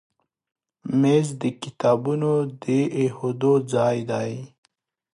مېز د کتابونو د ایښودو ځای دی.